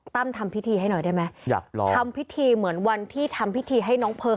ทำพิธีให้หน่อยได้ไหมอยากรอทำพิธีเหมือนวันที่ทำพิธีให้น้องเพลิง